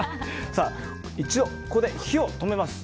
一度、ここで火を止めます。